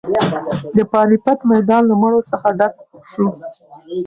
د پاني پت میدان له مړو څخه ډک شو.